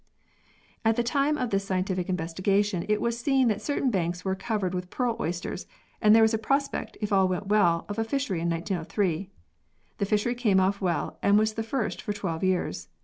At the time of this scientific investigation, it was seen that certain banks were covered with pearl oysters and there was a prospect, if all went well, of a fishery in 1903. This fishery came off and was the first for 12 years.